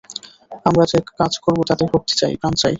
আমরা যে কাজ করব তাতে ভক্তি চাই, প্রাণ চাই।